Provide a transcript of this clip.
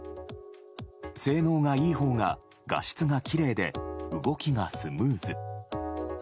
性能がいいほうが画質がきれいで動きがスムーズ。